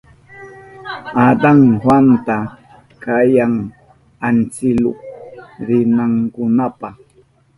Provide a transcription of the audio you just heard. Adan Juanta kayan antsiluk rinankunapa.